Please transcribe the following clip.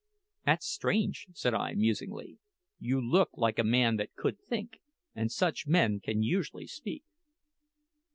"That's strange," said I musingly. "You look like a man that could think, and such men can usually speak."